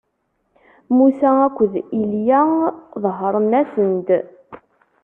Musa akked Ilya ḍehren-asen-d.